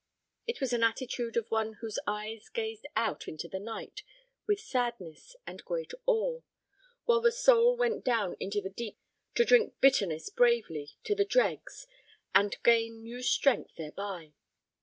It was the attitude of one whose eyes gazed out into the night with sadness and great awe, while the soul went down into the deeps to drink bitterness bravely to the dregs and gain new strength thereby.